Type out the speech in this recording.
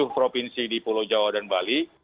tujuh provinsi di pulau jawa dan bali